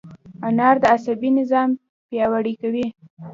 انار د عصبي نظام پیاوړی کوي.